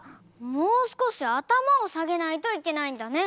もうすこしあたまをさげないといけないんだね！